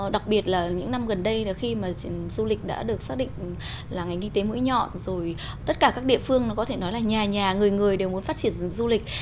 đặc biệt là những năm gần đây là khi mà du lịch đã được xác định là ngành y tế mũi nhọn rồi tất cả các địa phương nó có thể nói là nhà nhà người người đều muốn phát triển du lịch